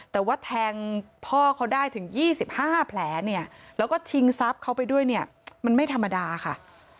แต่ว่าแทงพ่อเขาได้ถึง๒๕แผลเนี่ยแล้วก็ชิงทรัพย์เขาไปด้วยเนี่ยมันไม่ธรรมดาค่ะ